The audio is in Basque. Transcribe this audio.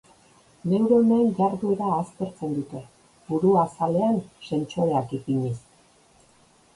Neuronen jarduera aztertzen dute buru-azalean sentsoreak ipiniz.